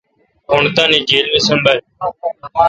پݨ تانی جیل مے°سنبل۔